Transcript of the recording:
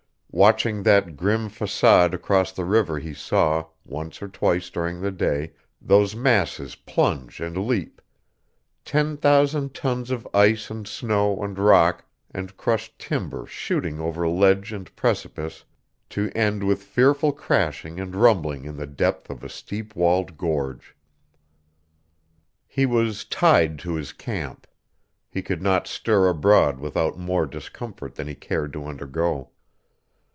Watching that grim façade across the river he saw, once or twice during the day, those masses plunge and leap, ten thousand tons of ice and snow and rock and crushed timber shooting over ledge and precipice to end with fearful crashing and rumbling in the depth of a steep walled gorge. He was tied to his camp. He could not stir abroad without more discomfort than he cared to undergo.